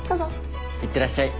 いってらっしゃい。